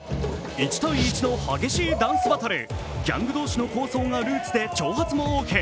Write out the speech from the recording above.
１対１の激しいダンスバトル、ギャング同士の抗争がルーツで長髪もオーケー。